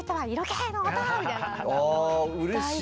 ああうれしいな。